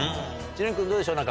知念君どうでしょう？